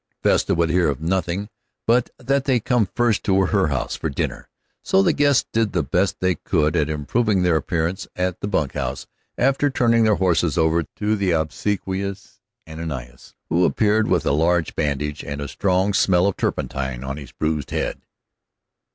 Vesta would hear of nothing but that they come first to the house for dinner. So the guests did the best they could at improving their appearance at the bunkhouse after turning their horses over to the obsequious Ananias, who appeared with a large bandage, and a strong smell of turpentine, on his bruised head.